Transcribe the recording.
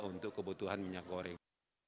untuk kebutuhan minyak goreng